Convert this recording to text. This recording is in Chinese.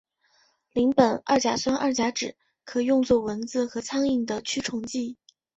邻苯二甲酸二甲酯可用作蚊子和苍蝇的驱虫剂。